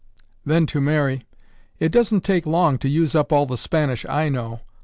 Then to Mary, "It doesn't take long to use up all the Spanish I know.